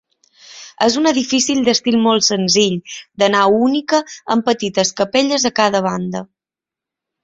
És un edifici d'estil molt senzill, de nau única, amb petites capelles a cada banda.